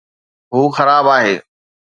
هو خراب آهي